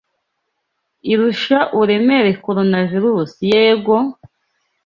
Irusha uburemere Coronavirus yego?